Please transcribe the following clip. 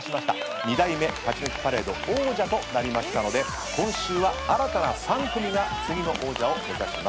２代目勝ち抜きパレード王者となりましたので今週は新たな３組が次の王者を目指します。